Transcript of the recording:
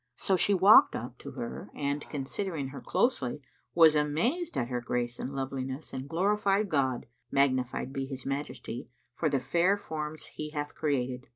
So she walked up to her and, considering her closely, was amazed at her grace and loveliness and glorified God (magnified be His majesty!) for the fair forms He hath created.